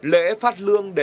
lễ phát lượng lễ lệ